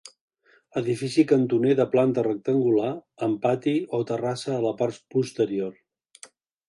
Edifici cantoner de planta rectangular, amb pati o terrassa a la part posterior.